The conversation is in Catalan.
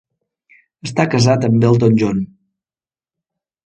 Està casat amb Elton John.